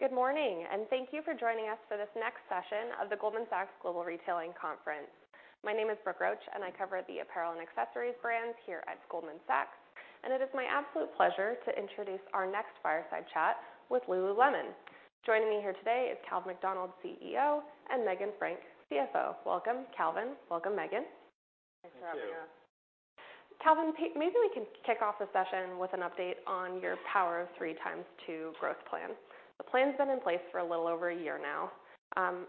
Good morning, and thank you for joining us for this next session of the Goldman Sachs Global Retailing Conference. My name is Brooke Roach, and I cover the apparel and accessories brands here at Goldman Sachs, and it is my absolute pleasure to introduce our next fireside chat with lululemon. Joining me here today is Calvin McDonald, CEO, and Meghan Frank, CFO. Welcome, Calvin. Welcome, Meghan. Thanks for having us. Thank you. Calvin, maybe we can kick off the session with an update on your Power of Three times two growth plan. The plan's been in place for a little over a year now.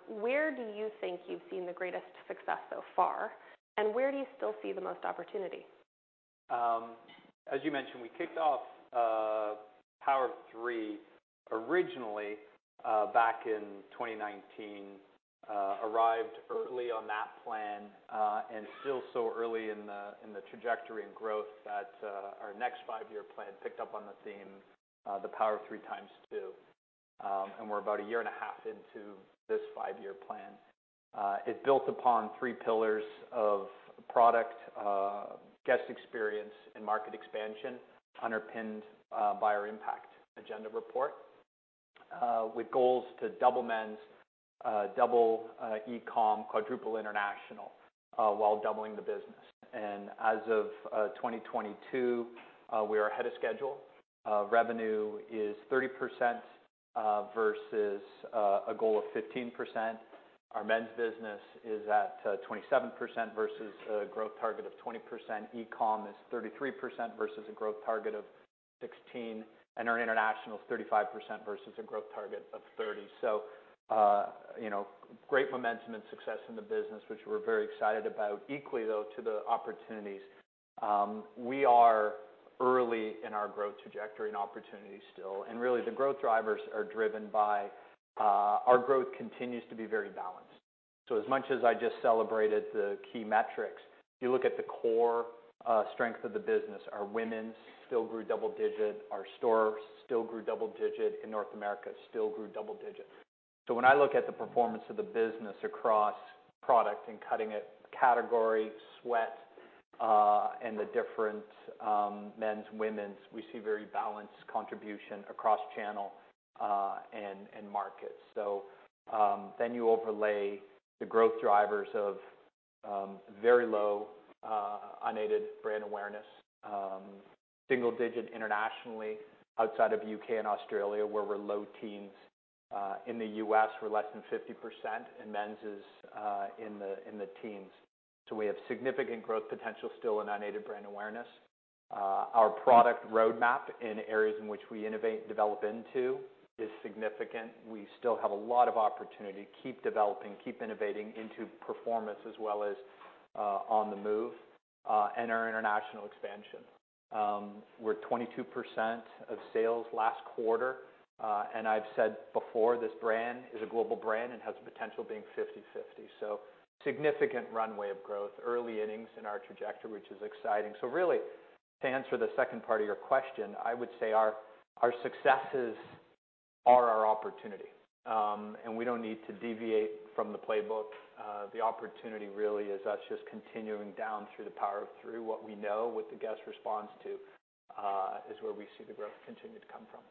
Where do you think you've seen the greatest success so far, and where do you still see the most opportunity? As you mentioned, we kicked off Power of Three originally back in 2019. Arrived early on that plan, and still so early in the trajectory and growth that our next five-year plan picked up on the theme, the Power of Three Times Two. And we're about a year and a half into this five-year plan. It built upon three pillars of product, guest experience, and market expansion, underpinned by our Impact Agenda Report, with goals to double men's, double e-com, quadruple international, while doubling the business. And as of 2022, we are ahead of schedule. Revenue is 30% versus a goal of 15%. Our men's business is at 27% versus a growth target of 20%. E-com is 33% versus a growth target of 16, and our international is 35% versus a growth target of 30. So, you know, great momentum and success in the business, which we're very excited about. Equally, though, to the opportunities, we are early in our growth trajectory and opportunity still, and really, the growth drivers are driven by. Our growth continues to be very balanced. So as much as I just celebrated the key metrics, if you look at the core strength of the business, our women's still grew double-digit, our stores still grew double-digit, in North America, still grew double-digit. So when I look at the performance of the business across product and cutting it, category, sweat, and the different, men's, women's, we see very balanced contribution across channel, and markets. So, then you overlay the growth drivers of very low unaided brand awareness, single digit internationally, outside of UK and Australia, where we're low teens. In the US, we're less than 50%, and men's is in the teens. So we have significant growth potential still in unaided brand awareness. Our product roadmap in areas in which we innovate and develop into is significant. We still have a lot of opportunity to keep developing, keep innovating into performance, as well as On the Move, and our international expansion. We're 22% of sales last quarter, and I've said before, this brand is a global brand and has the potential being 50/50. So significant runway of growth, early innings in our trajectory, which is exciting. So really, to answer the second part of your question, I would say our successes are our opportunity, and we don't need to deviate from the playbook. The opportunity really is us just continuing down through the Power of Three. What we know, what the guest responds to, is where we see the growth continuing to come from.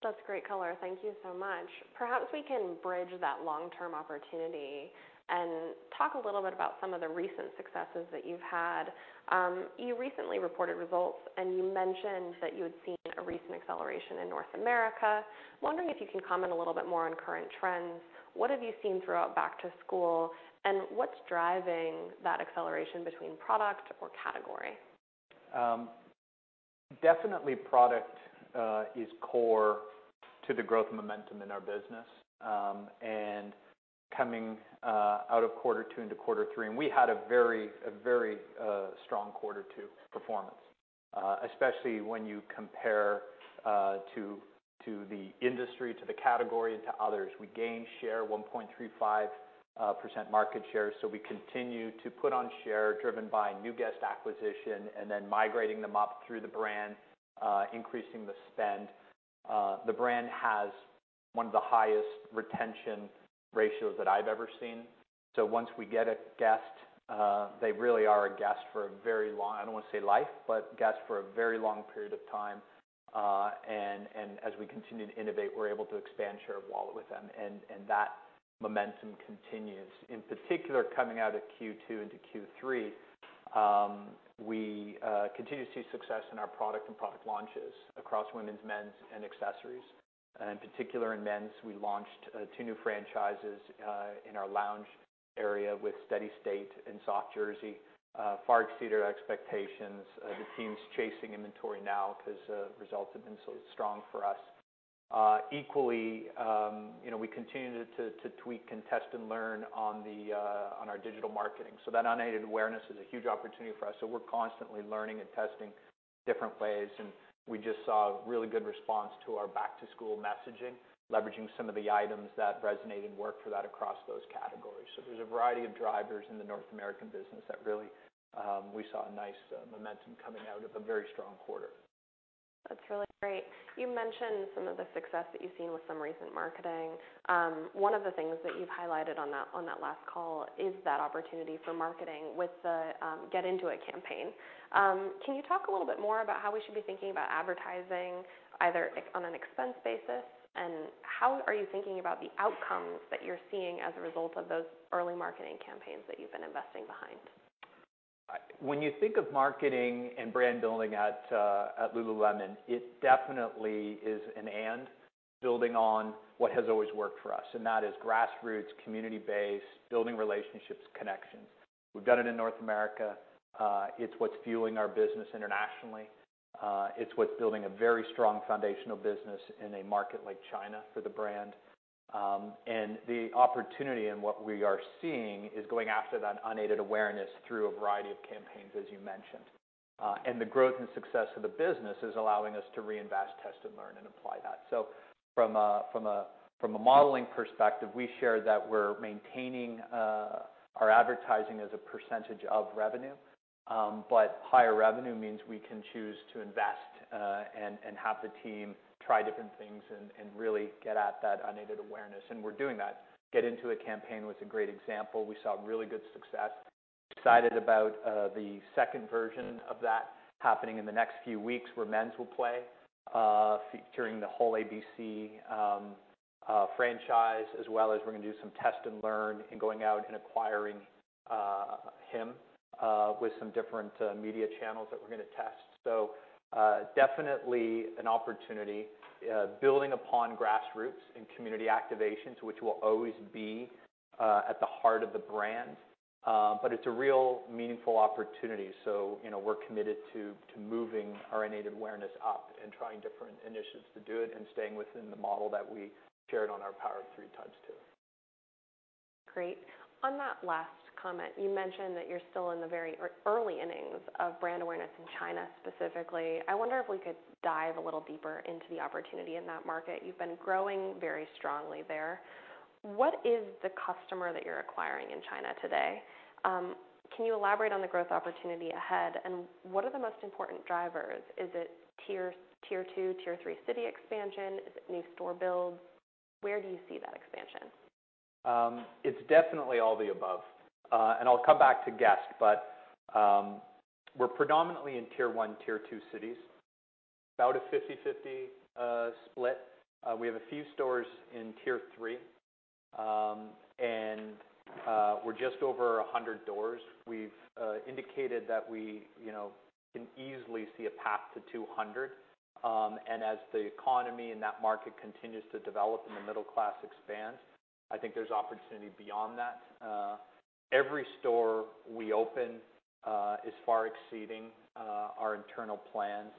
That's great color. Thank you so much. Perhaps we can bridge that long-term opportunity and talk a little bit about some of the recent successes that you've had. You recently reported results, and you mentioned that you had seen a recent acceleration in North America. Wondering if you can comment a little bit more on current trends. What have you seen throughout back to school, and what's driving that acceleration between product or category? Definitely product is core to the growth momentum in our business, and coming out of quarter two into quarter three, and we had a very strong quarter two performance, especially when you compare to the industry, to the category, and to others. We gained share, 1.35% market share, so we continue to put on share, driven by new guest acquisition and then migrating them up through the brand, increasing the spend. The brand has one of the highest retention ratios that I've ever seen, so once we get a guest, they really are a guest for a very long I don't want to say life, but guest for a very long period of time. And as we continue to innovate, we're able to expand share of wallet with them, and that momentum continues. In particular, coming out of Q2 into Q3, we continue to see success in our product and product launches across women's, men's, and accessories. In particular, in men's, we launched two new franchises in our lounge area with Steady State and Soft Jersey. Far exceeded our expectations. The team's chasing inventory now because results have been so strong for us. Equally, you know, we continue to tweak and test and learn on our digital marketing. That unaided awareness is a huge opportunity for us, so we're constantly learning and testing different ways, and we just saw a really good response to our back-to-school messaging, leveraging some of the items that resonated and worked for that across those categories. There's a variety of drivers in the North American business that really, we saw a nice, momentum coming out of a very strong quarter. That's really great. You mentioned some of the success that you've seen with some recent marketing. One of the things that you've highlighted on that, on that last call is that opportunity for marketing with the Get Into It campaign. Can you talk a little bit more about how we should be thinking about advertising, either like on an expense basis, and how are you thinking about the outcomes that you're seeing as a result of those early marketing campaigns that you've been investing behind? When you think of marketing and brand building at lululemon, it definitely is and building on what has always worked for us, and that is grassroots, community-based, building relationships, connections. We've done it in North America. It's what's fueling our business internationally. It's what's building a very strong foundational business in a market like China for the brand. The opportunity and what we are seeing is going after that unaided awareness through a variety of campaigns, as you mentioned. The growth and success of the business is allowing us to reinvest, test, and learn, and apply that. From a modeling perspective, we share that we're maintaining our advertising as a percentage of revenue. But higher revenue means we can choose to invest, and have the team try different things and really get at that unaided awareness, and we're doing that. Get Into It campaign was a great example. We saw really good success. Excited about the second version of that happening in the next few weeks, where men's will play, featuring the whole ABC franchise, as well as we're going to do some test and learn and going out and acquiring him with some different media channels that we're going to test. So, definitely an opportunity, building upon grassroots and community activations, which will always be at the heart of the brand. But it's a real meaningful opportunity. You know, we're committed to moving our unaided awareness up and trying different initiatives to do it, and staying within the model that we shared on our Power of Three times two. Great. On that last comment, you mentioned that you're still in the very early innings of brand awareness in China specifically. I wonder if we could dive a little deeper into the opportunity in that market. You've been growing very strongly there. What is the customer that you're acquiring in China today? Can you elaborate on the growth opportunity ahead, and what are the most important drivers? Is it tier, tier two, tier three city expansion? Is it new store builds? Where do you see that expansion? It's definitely all the above. And I'll come back to guest, but, we're predominantly in tier one, tier two cities. About a 50/50 split. We have a few stores in tier three, and, we're just over 100 doors. We've indicated that we, you know, can easily see a path to 200. And as the economy in that market continues to develop and the middle class expands, I think there's opportunity beyond that. Every store we open is far exceeding our internal plans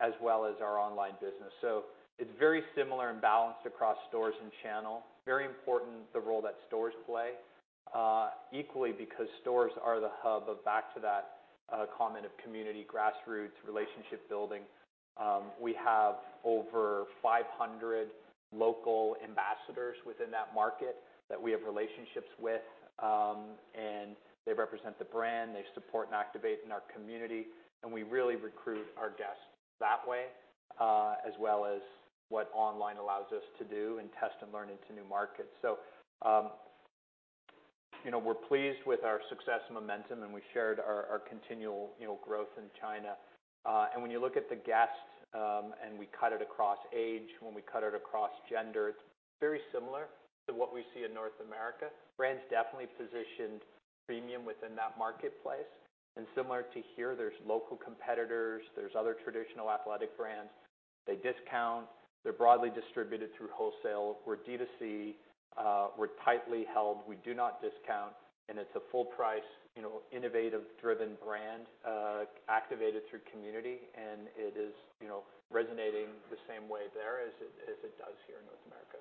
as well as our online business. So it's very similar and balanced across stores and channel. Very important, the role that stores play. Equally, because stores are the hub of back to that comment of community, grassroots, relationship building. We have over 500 local ambassadors within that market that we have relationships with, and they represent the brand. They support and activate in our community, and we really recruit our guests that way, as well as what online allows us to do and test and learn into new markets. So, you know, we're pleased with our success and momentum, and we shared our, our continual, you know, growth in China. And when you look at the guests, and we cut it across age, when we cut it across gender, it's very similar to what we see in North America. Brand's definitely positioned premium within that marketplace, and similar to here, there's local competitors, there's other traditional athletic brands. They discount. They're broadly distributed through wholesale. We're D to C. We're tightly held. We do not discount, and it's a full price, you know, innovative, driven brand, activated through community, and it is, you know, resonating the same way there as it, as it does here in North America.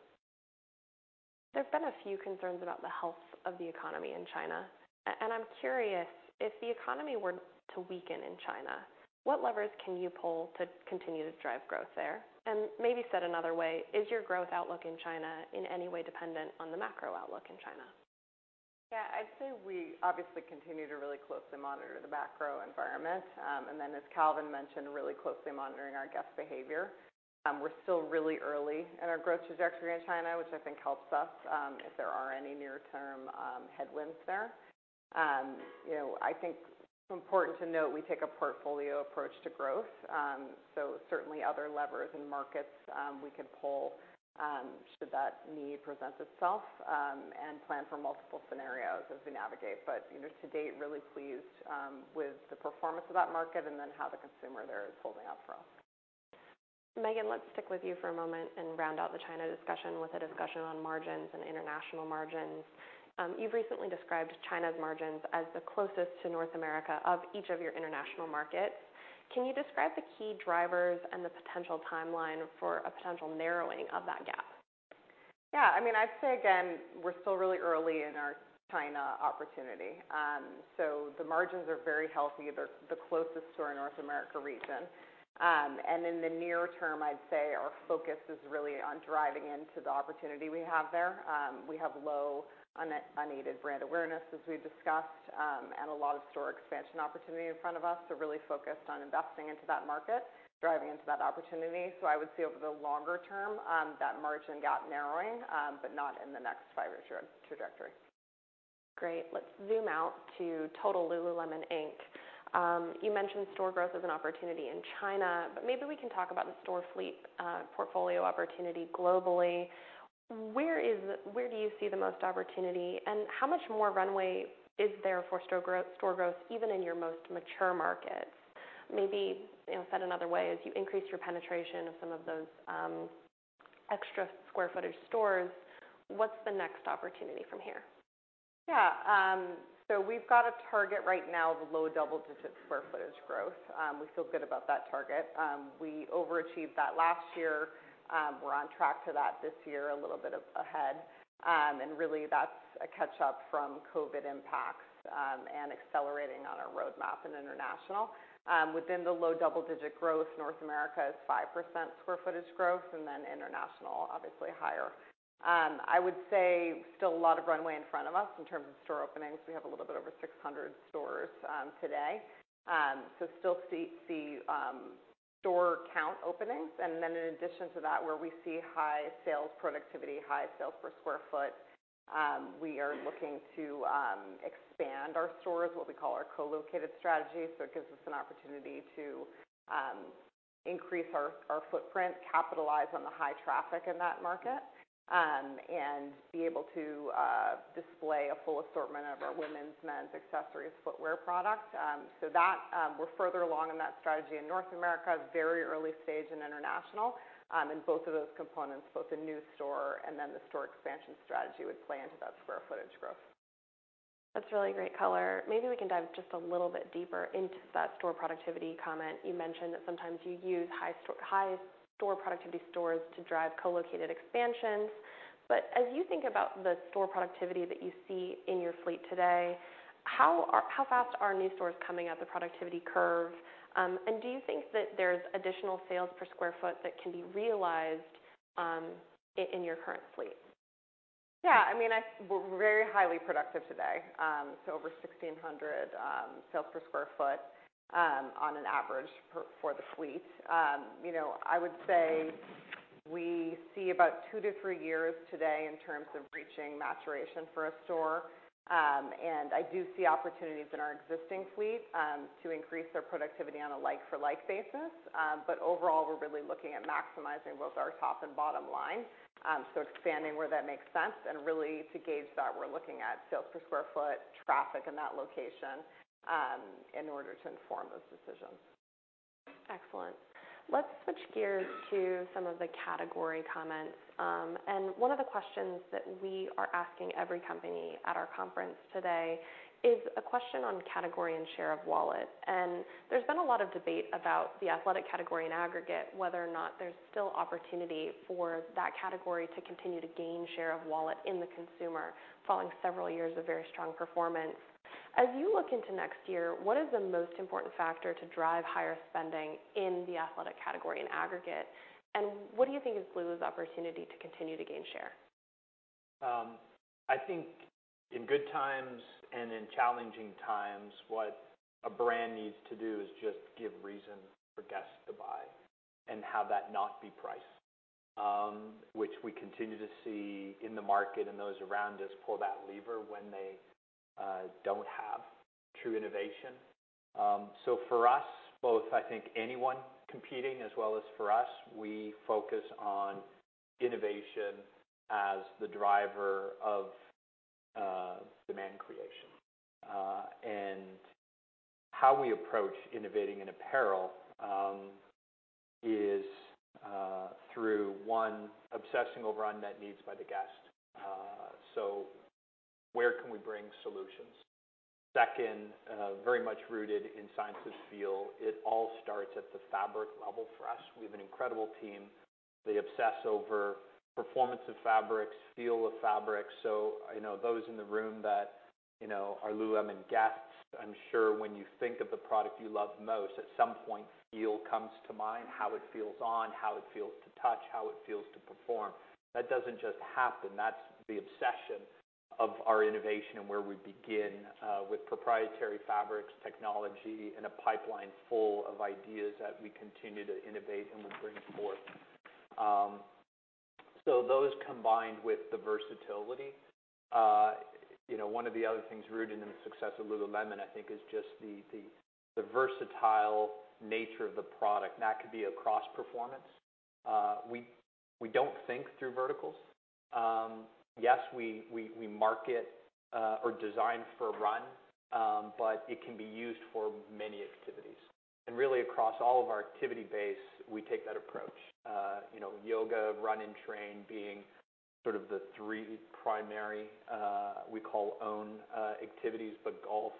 There's been a few concerns about the health of the economy in China, and I'm curious, if the economy were to weaken in China, what levers can you pull to continue to drive growth there? Maybe said another way, is your growth outlook in China in any way dependent on the macro outlook in China? Yeah, I'd say we obviously continue to really closely monitor the macro environment. And then, as Calvin mentioned, really closely monitoring our guest behavior. We're still really early in our growth trajectory in China, which I think helps us, if there are any near-term headwinds there. You know, I think it's important to note we take a portfolio approach to growth. So certainly other levers and markets we could pull should that need present itself, and plan for multiple scenarios as we navigate. But, you know, to date, really pleased with the performance of that market and then how the consumer there is holding up for us. Meghan, let's stick with you for a moment and round out the China discussion with a discussion on margins and international margins. You've recently described China's margins as the closest to North America of each of your international markets. Can you describe the key drivers and the potential timeline for a potential narrowing of that gap? Yeah, I mean, I'd say again, we're still really early in our China opportunity. So the margins are very healthy. They're the closest to our North America region. And in the near term, I'd say our focus is really on driving into the opportunity we have there. We have low unaided brand awareness, as we've discussed, and a lot of store expansion opportunity in front of us, so really focused on investing into that market, driving into that opportunity. So I would say over the longer term, that margin gap narrowing, but not in the next five-year trajectory. Great. Let's zoom out to total Lululemon Inc. You mentioned store growth as an opportunity in China, but maybe we can talk about the store fleet portfolio opportunity globally. Where do you see the most opportunity, and how much more runway is there for store growth, store growth, even in your most mature markets? Maybe, you know, said another way, as you increase your penetration of some of those extra square footage stores, what's the next opportunity from here? Yeah. So we've got a target right now of low double-digit square footage growth. We feel good about that target. We overachieved that last year. We're on track to that this year, a little bit ahead. And really, that's a catch-up from COVID impacts, and accelerating on our roadmap in international. Within the low double-digit growth, North America is 5% square footage growth, and then international, obviously higher. I would say still a lot of runway in front of us in terms of store openings. We have a little bit over 600 stores today. So still see store count openings, and then in addition to that, where we see high sales productivity, high sales per square foot, we are looking to expand our stores, what we call our Co-located Strategy. It gives us an opportunity to increase our footprint, capitalize on the high traffic in that market, and be able to display a full assortment of our women's, men's, accessories, footwear product. So that we're further along in that strategy in North America, very early stage in international. Both of those components, both the new store and then the store expansion strategy, would play into that square footage growth. That's really great color. Maybe we can dive just a little bit deeper into that store productivity comment. You mentioned that sometimes you use high store productivity stores to drive co-located expansions. But as you think about the store productivity that you see in your fleet today, how fast are new stores coming out the productivity curve? And do you think that there's additional sales per square foot that can be realized in your current fleet? Yeah, I mean, we're very highly productive today. So over 1,600 sales per sq ft on an average for the fleet. You know, I would say we see about 2-3 years today in terms of reaching maturation for a store. And I do see opportunities in our existing fleet to increase their productivity on a like-for-like basis. But overall, we're really looking at maximizing both our top and bottom line. So expanding where that makes sense, and really to gauge that, we're looking at sales per sq ft, traffic in that location, in order to inform those decisions. Excellent. Let's switch gears to some of the category comments. One of the questions that we are asking every company at our conference today is a question on category and share of wallet. There's been a lot of debate about the athletic category in aggregate, whether or not there's still opportunity for that category to continue to gain share of wallet in the consumer, following several years of very strong performance. As you look into next year, what is the most important factor to drive higher spending in the athletic category in aggregate? And what do you think is Lululemon's opportunity to continue to gain share? I think in good times and in challenging times, what a brand needs to do is just give reason for guests to buy and have that not be price, which we continue to see in the market and those around us pull that lever when they don't have true innovation. So for us, both, I think anyone competing as well as for us, we focus on innovation as the driver of demand creation. And how we approach innovating in apparel is through one, obsessing over unmet needs by the guest. So where can we bring solutions? Second, very much rooted in science and feel. It all starts at the fabric level for us. We have an incredible team. They obsess over performance of fabrics, feel of fabric. So I know those in the room that, you know, are lululemon guests, I'm sure when you think of the product you love most, at some point, feel comes to mind, how it feels on, how it feels to touch, how it feels to perform. That doesn't just happen. That's the obsession of our innovation and where we begin with proprietary fabrics, technology, and a pipeline full of ideas that we continue to innovate and will bring forth. Those, combined with the versatility, you know, one of the other things rooted in the success of lululemon, I think, is just the versatile nature of the product, and that could be across performance. We don't think through verticals. Yes, we market or design for a run, but it can be used for many activities. Really, across all of our activity base, we take that approach. You know, yoga, run, and train being sort of the three primary, we call own activities, but golf,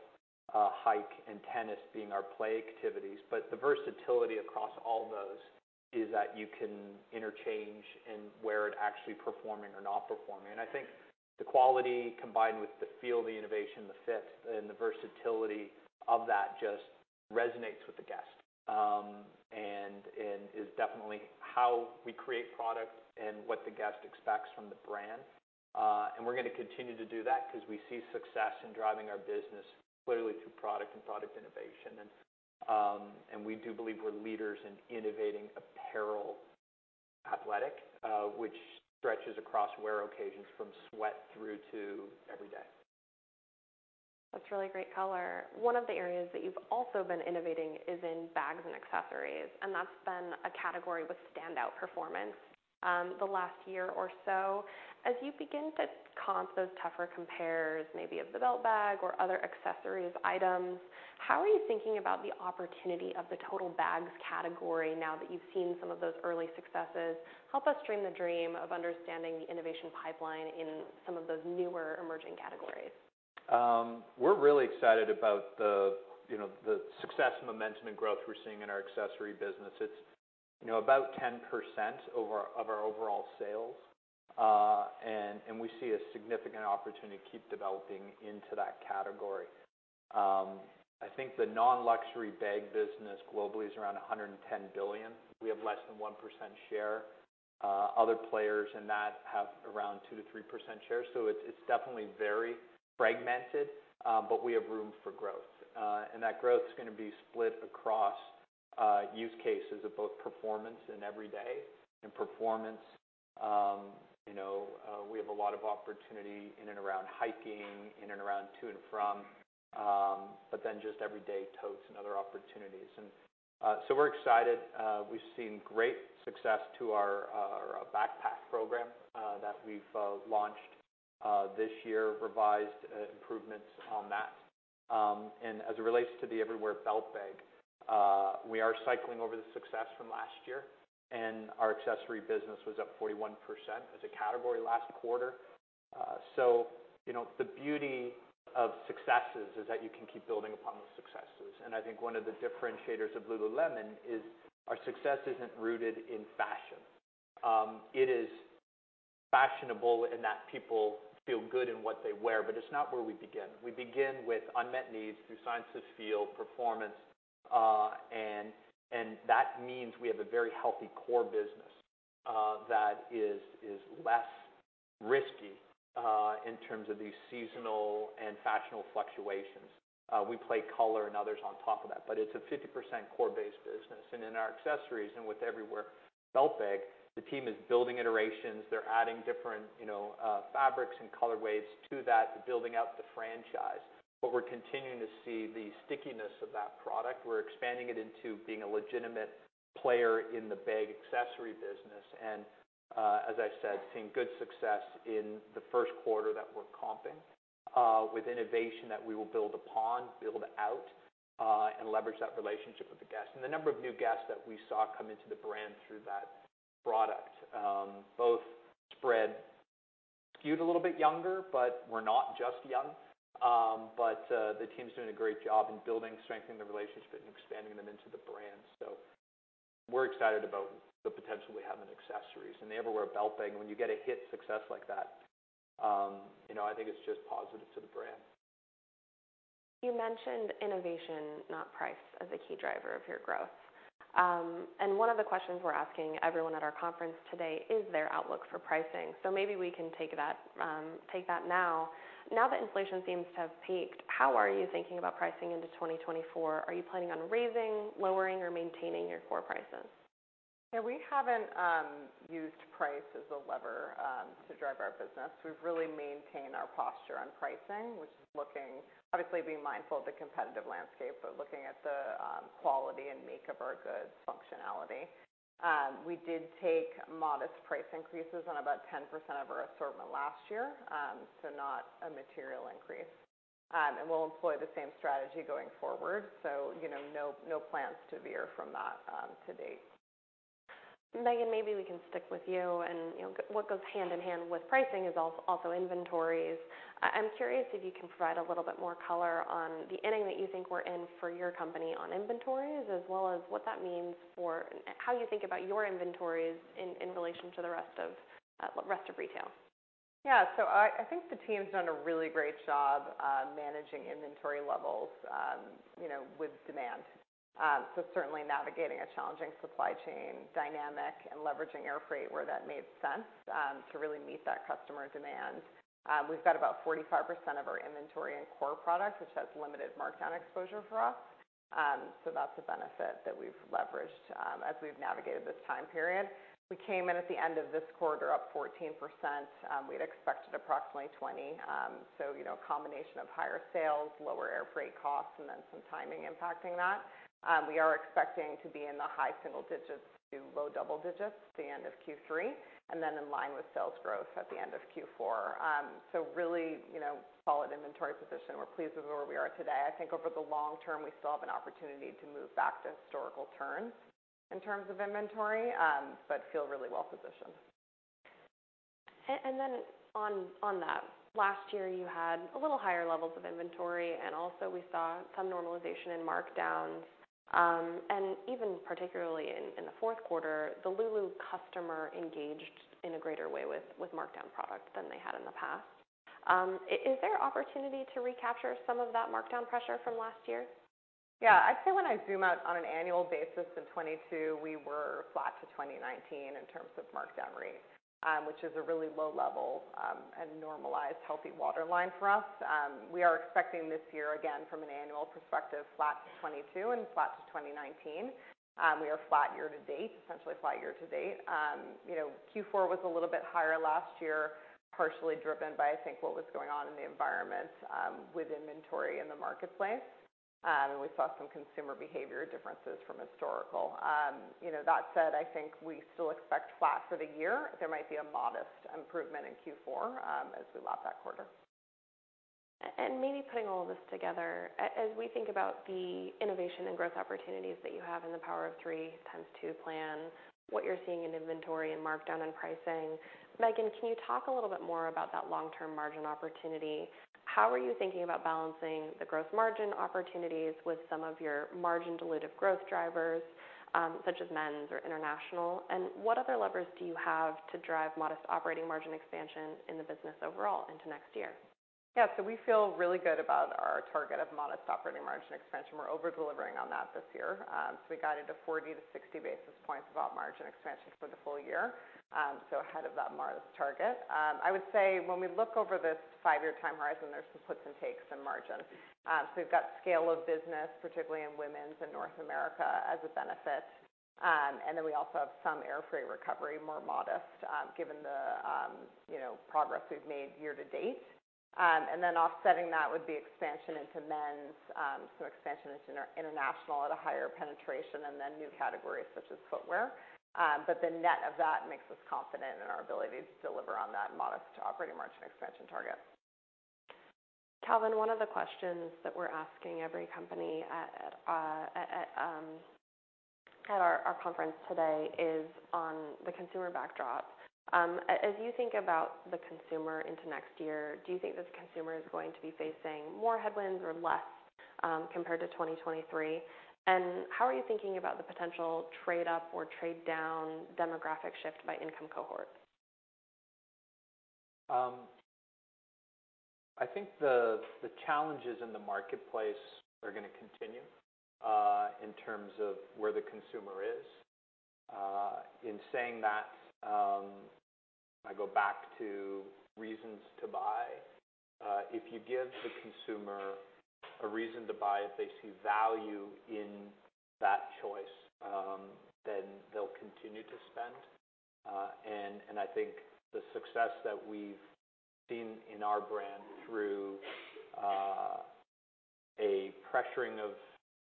hike, and tennis being our Play activities. But the versatility across all those is that you can interchange and wear it actually performing or not performing. And I think the quality, combined with the feel, the innovation, the fit, and the versatility of that, just resonates with the guest. And is definitely how we create product and what the guest expects from the brand. And we're gonna continue to do that because we see success in driving our business clearly through product and product innovation. And we do believe we're leaders in innovating athletic apparel, which stretches across wear occasions from sweat through to every day. That's a really great color. One of the areas that you've also been innovating is in bags and accessories, and that's been a category with standout performance, the last year or so. As you begin to comp those tougher compares, maybe of the belt bag or other accessories items, how are you thinking about the opportunity of the total bags category now that you've seen some of those early successes? Help us dream the dream of understanding the innovation pipeline in some of those newer emerging categories. We're really excited about the, you know, the success, momentum, and growth we're seeing in our accessory business. It's, you know, about 10% of our overall sales, and we see a significant opportunity to keep developing into that category. I think the non-luxury bag business globally is around $110 billion. We have less than 1% share. Other players in that have around 2%-3% share, so it's definitely very fragmented, but we have room for growth. And that growth is gonna be split across use cases of both performance and every day. In performance, you know, we have a lot of opportunity in and around hiking, in and around to and from, but then just everyday totes and other opportunities. So we're excited. We've seen great success to our, our backpack program, that we've launched, this year, revised, improvements on that. And as it relates to the Everywhere Belt Bag, we are cycling over the success from last year, and our accessory business was up 41% as a category last quarter. So, you know, the beauty of successes is that you can keep building upon those successes. And I think one of the differentiators of Lululemon is our success isn't rooted in fashion. It is fashionable in that people feel good in what they wear, but it's not where we begin. We begin with unmet needs through sciences, feel, performance, and, and that means we have a very healthy core business, that is, is less risky, in terms of these seasonal and fashionable fluctuations. We play color and others on top of that, but it's a 50% core-based business. In our accessories and with Everywhere Belt Bag, the team is building iterations. They're adding different, you know, fabrics and color waves to that and building out the franchise. But we're continuing to see the stickiness of that product. We're expanding it into being a legitimate player in the bag accessory business, and, as I said, seeing good success in the first quarter that we're comping with innovation that we will build upon, build out, and leverage that relationship with the guests. And the number of new guests that we saw come into the brand through that product, both skewed a little bit younger, but were not just young. The team's doing a great job in building, strengthening the relationship and expanding them into the brand. We're excited about the potential we have in accessories and the Everywhere Belt Bag. When you get a hit success like that, you know, I think it's just positive to the brand. You mentioned innovation, not price, as a key driver of your growth. One of the questions we're asking everyone at our conference today is their outlook for pricing. So maybe we can take that, take that now. Now that inflation seems to have peaked, how are you thinking about pricing into 2024? Are you planning on raising, lowering, or maintaining your core prices? Yeah, we haven't used price as a lever to drive our business. We've really maintained our posture on pricing, which is looking obviously, being mindful of the competitive landscape, but looking at the quality and make of our goods' functionality. We did take modest price increases on about 10% of our assortment last year, so not a material increase. And we'll employ the same strategy going forward. So, you know, no, no plans to veer from that to date. Meghan, maybe we can stick with you, and, you know, what goes hand-in-hand with pricing is also inventories. I'm curious if you can provide a little bit more color on the inning that you think we're in for your company on inventories, as well as what that means for how you think about your inventories in relation to the rest of retail. Yeah. So I, I think the team's done a really great job, managing inventory levels, you know, with demand. So certainly navigating a challenging supply chain dynamic and leveraging air freight where that made sense, to really meet that customer demand. We've got about 45% of our inventory in core products, which has limited markdown exposure for us. So that's a benefit that we've leveraged, as we've navigated this time period. We came in at the end of this quarter, up 14%. We'd expected approximately 20%. So, you know, a combination of higher sales, lower air freight costs, and then some timing impacting that. We are expecting to be in the high single digits to low double digits at the end of Q3, and then in line with sales growth at the end of Q4. Really, you know, solid inventory position. We're pleased with where we are today. I think over the long term, we still have an opportunity to move back to historical turns in terms of inventory, but feel really well positioned. And then on that. Last year, you had a little higher levels of inventory, and also we saw some normalization in markdowns. And even particularly in the fourth quarter, the Lulu customer engaged in a greater way with markdown products than they had in the past. Is there opportunity to recapture some of that markdown pressure from last year? Yeah, I'd say when I zoom out on an annual basis, in 2022, we were flat to 2019 in terms of markdown rate, which is a really low level, and normalized healthy waterline for us. We are expecting this year, again, from an annual perspective, flat to 2022 and flat to 2019. We are flat year to date, essentially flat year to date. You know, Q4 was a little bit higher last year, partially driven by, I think, what was going on in the environment, with inventory in the marketplace. And we saw some consumer behavior differences from historical. You know, that said, I think we still expect flat for the year. There might be a modest improvement in Q4, as we lap that quarter. Maybe putting all this together, as we think about the innovation and growth opportunities that you have in the Power of Three Times Two plan, what you're seeing in inventory and markdown and pricing, Meghan, can you talk a little bit more about that long-term margin opportunity? How are you thinking about balancing the growth margin opportunities with some of your margin dilutive growth drivers, such as men's or international? And what other levers do you have to drive modest operating margin expansion in the business overall into next year? Yeah. So we feel really good about our target of modest operating margin expansion. We're over-delivering on that this year. So we guided a 40-60 basis points about margin expansion for the full year. So ahead of that modest target. I would say when we look over this five-year time horizon, there's some puts and takes in margin. So we've got scale of business, particularly in women's and North America, as a benefit. And then we also have some air freight recovery, more modest, given the, you know, progress we've made year to date. And then offsetting that would be expansion into men's, some expansion into international at a higher penetration, and then new categories such as footwear. But the net of that makes us confident in our ability to deliver on that modest operating margin expansion target. Calvin, one of the questions that we're asking every company at our conference today is on the consumer backdrop. As you think about the consumer into next year, do you think this consumer is going to be facing more headwinds or less, compared to 2023? And how are you thinking about the potential trade up or trade down demographic shift by income cohort? I think the challenges in the marketplace are gonna continue in terms of where the consumer is. In saying that, I go back to reasons to buy. If you give the consumer a reason to buy, if they see value in that choice, then they'll continue to spend. And I think the success that we've seen in our brand through a pressuring of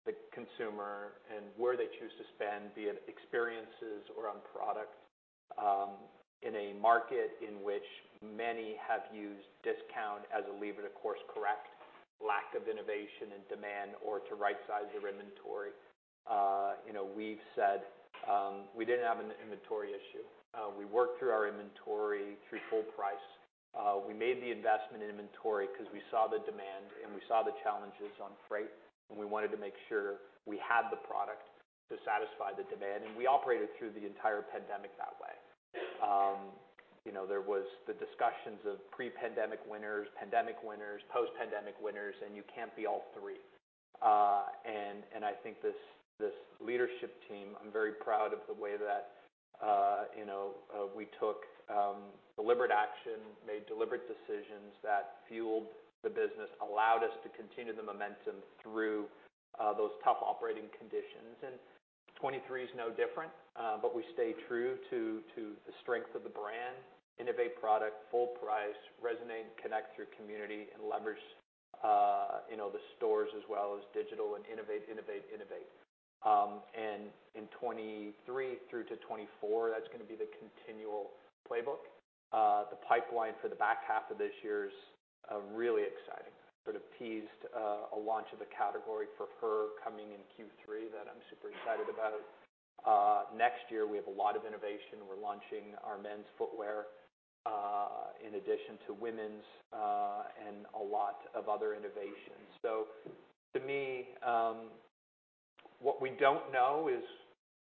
the consumer and where they choose to spend, be it experiences or on products, in a market in which many have used discount as a lever to course correct lack of innovation and demand, or to right-size their inventory. You know, we've said. We didn't have an inventory issue. We worked through our inventory through full price. We made the investment in inventory because we saw the demand and we saw the challenges on freight, and we wanted to make sure we had the product to satisfy the demand, and we operated through the entire pandemic that way. You know, there was the discussions of pre-pandemic winners, pandemic winners, post-pandemic winners, and you can't be all three. I think this leadership team, I'm very proud of the way that, you know, we took deliberate action, made deliberate decisions that fueled the business, allowed us to continue the momentum through those tough operating conditions. 2023 is no different, but we stayed true to the strength of the brand, innovate product, full price, resonate, and connect through community, and leverage, you know, the stores as well as digital, and innovate, innovate, innovate. And in 2023 through to 2024, that's gonna be the continual playbook. The pipeline for the back half of this year is really exciting. Sort of teased a launch of a category for her coming in Q3 that I'm super excited about. Next year, we have a lot of innovation. We're launching our men's footwear in addition to women's and a lot of other innovations. So to me, what we don't know is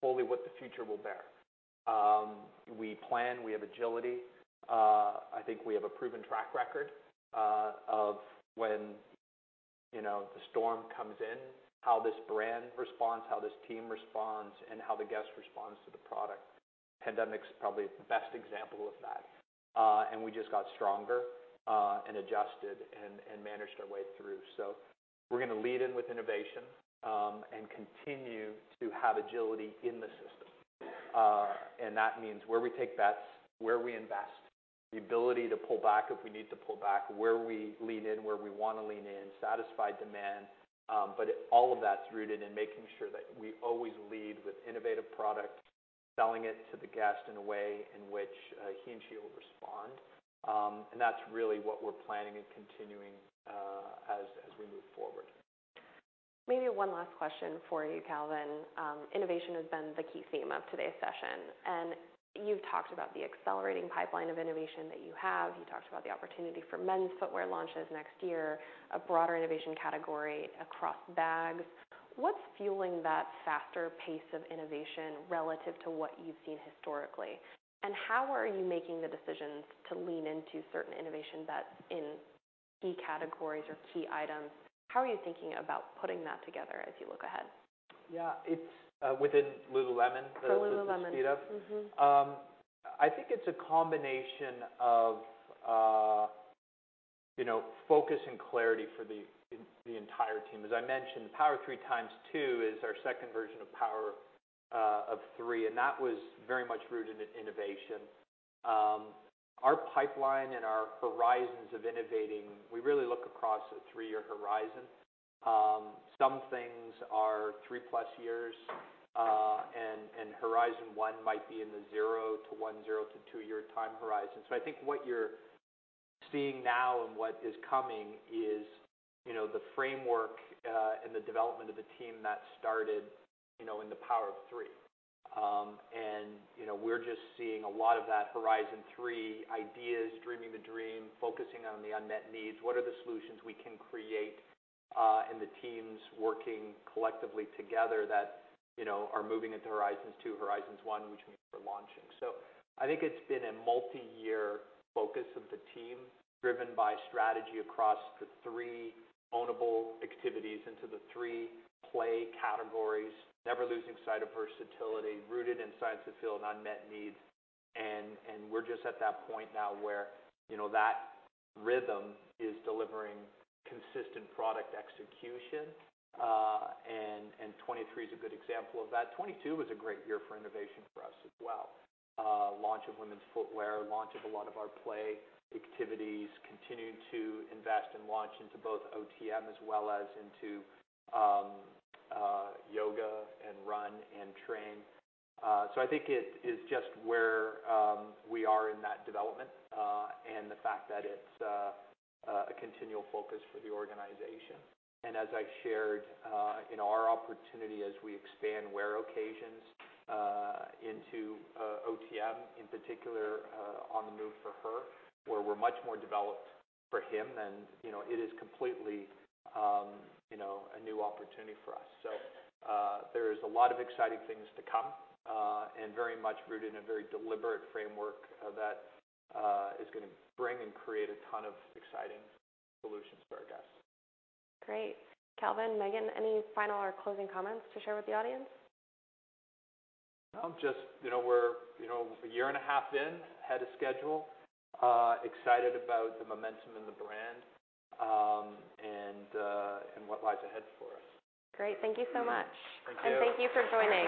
fully what the future will bear. We plan, we have agility. I think we have a proven track record of when, you know, the storm comes in, how this brand responds, how this team responds, and how the guest responds to the product. Pandemic's probably the best example of that. And we just got stronger and adjusted and managed our way through. So we're gonna lead in with innovation, and continue to have agility in the system. And that means where we take bets, where we invest, the ability to pull back if we need to pull back, where we lean in, where we wanna lean in, satisfy demand. But all of that's rooted in making sure that we always lead with innovative product, selling it to the guest in a way in which he and she will respond. And that's really what we're planning and continuing, as we move forward. Maybe one last question for you, Calvin. Innovation has been the key theme of today's session, and you've talked about the accelerating pipeline of innovation that you have. You talked about the opportunity for men's footwear launches next year, a broader innovation category across bags. What is fueling that faster pace of innovation relative to what you've seen historically? And how are you making the decisions to lean into certain innovation that's in key categories or key items? How are you thinking about putting that together as you look ahead? Yeah, it's within Lululemon. For Lululemon. Mm-hmm. I think it's a combination of, you know, focus and clarity for the entire team. As I mentioned, Power of Three times two is our second version of Power of Three, and that was very much rooted in innovation. Our pipeline and our horizons of innovating, we really look across a three-year horizon. Some things are three-plus years, and horizon one might be in the zero to one, zero to two-year time horizon. So I think what you're seeing now and what is coming is, you know, the framework, and the development of the team that started, you know, in the Power of Three. And, you know, we're just seeing a lot of that horizon three ideas, dreaming the dream, focusing on the unmet needs. What are the solutions we can create? and the teams working collectively together that, you know, are moving into horizons two, horizons one, which means we're launching. So I think it's been a multi-year focus of the team, driven by strategy across the three ownable activities into the three play categories, never losing sight of versatility, rooted in science to fill an unmet need. And we're just at that point now where, you know, that rhythm is delivering consistent product execution. and 2023 is a good example of that. 2022 was a great year for innovation for us as well. Launch of women's footwear, launch of a lot of our play activities, continued to invest and launch into both OTM as well as into yoga and run and train. So I think it is just where we are in that development, and the fact that it's a continual focus for the organization. And as I shared, in our opportunity as we expand wear occasions into OTM, in particular, on the move for her, where we're much more developed for him than... You know, it is completely, you know, a new opportunity for us. So, there's a lot of exciting things to come, and very much rooted in a very deliberate framework, that is gonna bring and create a ton of exciting solutions for our guests. Great! Calvin, Meghan, any final or closing comments to share with the audience? No, just, you know, we're, you know, a year and a half in, ahead of schedule, excited about the momentum in the brand, and what lies ahead for us. Great. Thank you so much. Thank you. Thank you for joining.